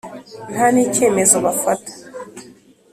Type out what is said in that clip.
Nta n icyemezo bafata